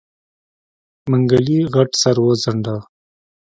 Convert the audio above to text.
منګلي غټ سر وڅنډه.